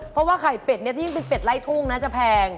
เพราะว่าไข่เบอร์นี้ยิ่งเป็นเบอร์ไล่ทุ่งนะจะแพง